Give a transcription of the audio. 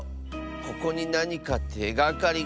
ここになにかてがかりがあるかも。